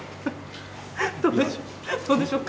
どうでしょう。